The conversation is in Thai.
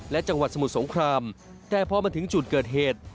และจังหวัดสมุทรสงครามแต่พอมาถึงจุดเกิดเหตุ